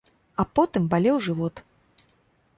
А потым балеў жывот.